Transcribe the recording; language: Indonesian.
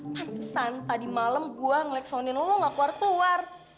pantesan tadi malam gue ngeleksonin lo nggak keluar keluar